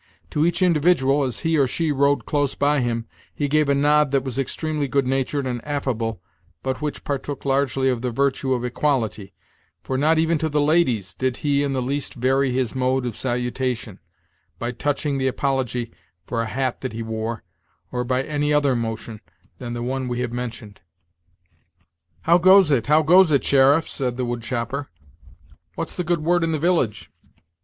To each individual, as he or she rode close by him, he gave a nod that was extremely good natured and affable, but which partook largely of the virtue of equality, for not even to the ladies did he in the least vary his mode of salutation, by touching the apology for a hat that he wore, or by any other motion than the one we have mentioned. "How goes it, how goes it, sheriff?" said the wood chopper; "what's the good word in the village?"